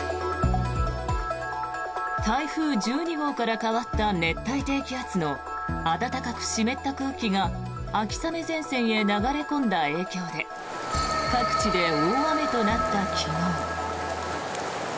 台風１２号から変わった熱帯低気圧の暖かく湿った空気が秋雨前線へ流れ込んだ影響で各地で大雨となった昨日。